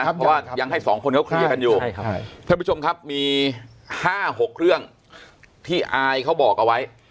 เพราะว่ายังให้สองคนเขาเคลียร์กันอยู่ท่านผู้ชมครับมี๕๖เรื่องที่อายเขาบอกเอาไว้